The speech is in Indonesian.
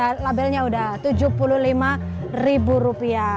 ini ada labelnya udah tujuh puluh lima rupiah